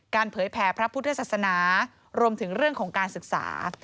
เผยแผ่พระพุทธศาสนารวมถึงเรื่องของการศึกษา